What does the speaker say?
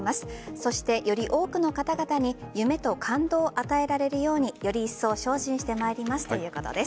そして、より多くの方々に夢と感動を与えられるようによりいっそう精進してまいりますということです。